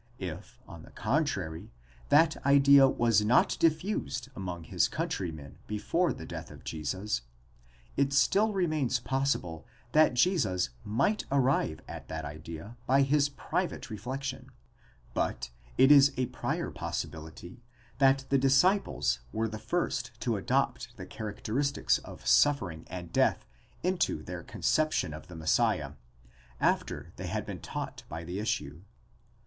If, on the contrary, that idea was not diffused among his countrymen before the death of Jesus, it still remains possible that Jesus might arrive at that idea by his private reflection; but it is a prior possibility that the disciples were the first to adopt the characteristics of suffering and death into their conception of the Messiah, after they had been taught by the issue.